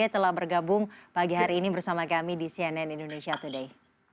telah bergabung pagi hari ini bersama kami di cnn indonesia today